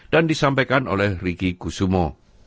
dan disampaikan oleh ricky kusumo